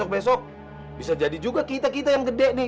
besok bisa jadi juga kita kita yang gede nih